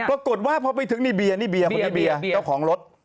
ปรากฏว่าพอไปถึงนี่เบียร์นี่เบียร์คนนี้เบียร์เจ้าของรถ